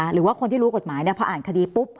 หรือว่าคนที่รู้กฎหมายพออ่านคดีปุ๊บ